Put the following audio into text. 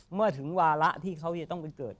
เมื่อถึงวาระที่เขาจะต้องไปเกิด